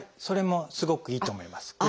それもすごくいいと思います。